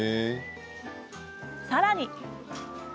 さらに。